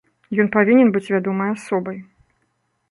Ён павінен быць вядомай асобай.